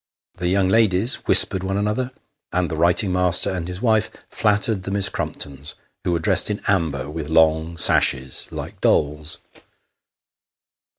The young ladies whispered one another, and the writing master and his wife flattered the Miss Crumptons, who were dressed in amber, with long sashes, like dolls.